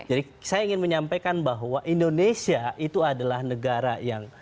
jadi saya ingin menyampaikan bahwa indonesia itu adalah negara yang